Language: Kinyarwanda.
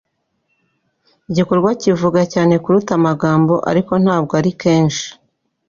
Igikorwa kivuga cyane kuruta amagambo, ariko ntabwo ari kenshi.